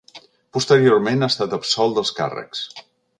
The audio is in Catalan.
Posteriorment ha estat absolt dels càrrecs.